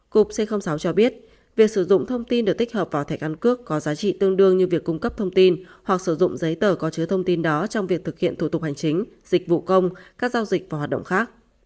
cục c sáu cho biết việc sử dụng thông tin được tích hợp vào thẻ căn cước có giá trị tương đương như việc cung cấp thông tin hoặc sử dụng giấy tờ có chứa thông tin đó trong việc thực hiện thủ tục hành chính dịch vụ công các giao dịch và hoạt động khác